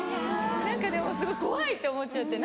何かでもすごい怖いって思っちゃって。